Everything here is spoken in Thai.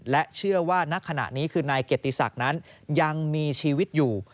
และเชื่อว่าณขณะนี้คือนายเกียรติศักดิ์นั้นยังมีชีวิตอยู่